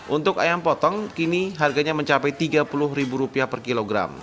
untuk ayam potong kini harganya mencapai rp tiga puluh per kilogram